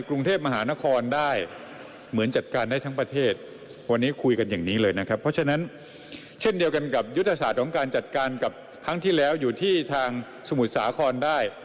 การจากการกับครั้งที่แล้วอยู่ที่ทางสมุทรสาครได้